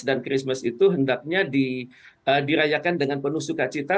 dan christmas itu hendaknya dirayakan dengan penuh sukacita